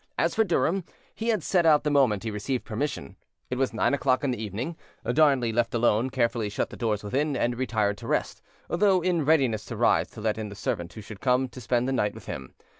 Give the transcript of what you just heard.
As for Durham, he had set out the moment he received permission. It was nine o'clock in the evening. Darnley, left alone, carefully shut the doors within, and retired to rest, though in readiness to rise to let in the servant who should come to spend the night with him.